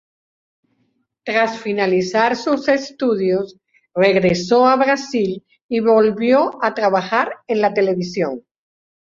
Tras finalizar sus estudios regresó a Brasil y volvió a trabajar en la televisión.